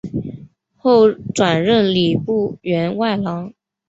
后转任礼部员外郎。